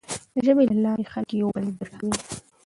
د ژبې له لارې خلک یو بل درک کوي.